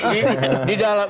jadi kita lihat